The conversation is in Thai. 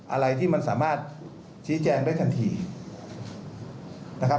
อะไรที่มันสามารถชี้แจงได้ทันทีนะครับ